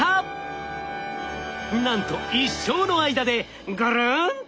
なんと一生の間でぐるんと